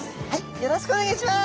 よろしくお願いします！